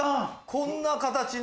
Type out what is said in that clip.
こんな形の。